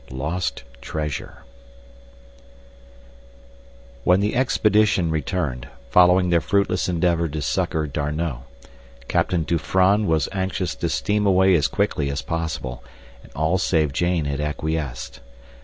Lost Treasure When the expedition returned, following their fruitless endeavor to succor D'Arnot, Captain Dufranne was anxious to steam away as quickly as possible, and all save Jane had acquiesced.